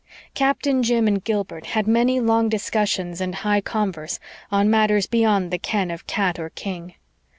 Captain Jim and Gilbert had many long discussions and high converse on matters beyond the ken of cat or king.